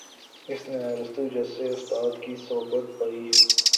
اس نے ارسطو جیسے استاد کی صحبت پائی